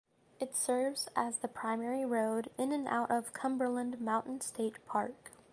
It serves as the primary road in and out of Cumberland Mountain State Park.